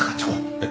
えっ？